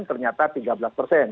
ternyata tiga belas persen